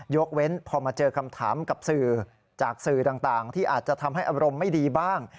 ยกเว้นพอมาเจอคำถามกับสื่อจากสื่อต่างที่อาจจะทำให้อารมณ์ไม่ดีบ้าง